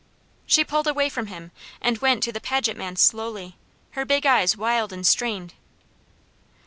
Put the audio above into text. She pulled away from him, and went to the Paget man slowly, her big eyes wild and strained.